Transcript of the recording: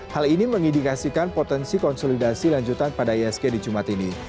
hal ini mengindikasikan potensi konsolidasi lanjutan pada isg di jumat ini